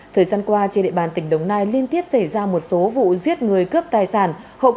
thời gian qua trên địa bàn tỉnh đồng nai liên tiếp xảy ra một số vụ giết người cướp tài sản